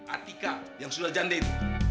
atika yang sudah jandin